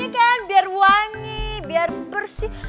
ini kan biar wangi biar bersih